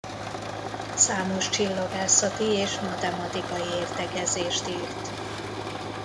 Számos csillagászati és matematikai értekezést írt.